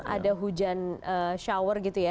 ada hujan shower gitu ya